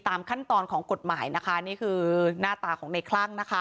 ตามขั้นตอนของกฎหมายนะคะนี่คือหน้าตาของในคลั่งนะคะ